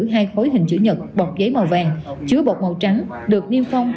hai khối hình chữ nhật bọc giấy màu vàng chứa bọc màu trắng được niêm phong